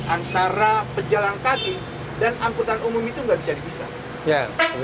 antara pejalan kaki dan angkutan umum itu nggak bisa dipisah